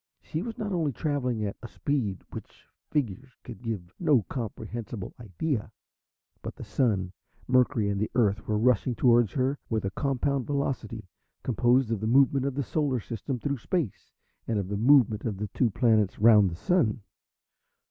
She was not only travelling at a speed of which figures could give no comprehensible idea, but the Sun, Mercury, and the Earth were rushing towards her with a compound velocity, composed of the movement of the Solar System through Space and of the movement of the two planets round the Sun.